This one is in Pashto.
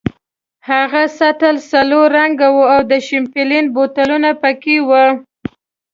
هغه سطل سلور رنګه وو او د شیمپین بوتلونه پکې وو.